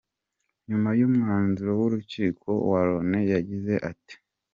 Nyuma y'umwanzuro w'urukiko, Wa Lone yagize ati:.